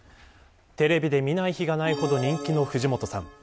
テレビで見ない日がないほど人気の藤本さん。